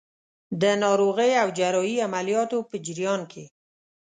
د ناروغۍ او جراحي عملیاتو په جریان کې.